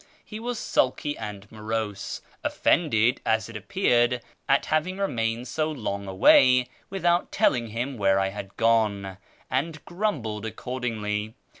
He was sulky and morose, offended, as it appeared, at my having remained so long away without telling him where I had gone, and grumbled accordingly.